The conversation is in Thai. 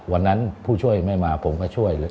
วันนั้นผู้ช่วยไม่มาผมก็ช่วย